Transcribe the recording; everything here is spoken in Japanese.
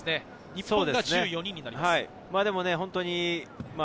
日本が１４人になります。